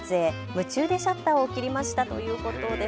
夢中でシャッターを切りましたということです。